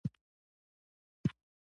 دوی میډیا د جنګ برخه ګرځولې.